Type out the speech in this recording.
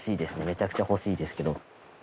めちゃくちゃ欲しいですけど。